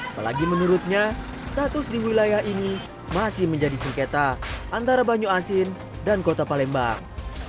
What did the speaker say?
apalagi menurutnya status di wilayah ini masih menjadi sengketa antara banyu asin dan kota palembang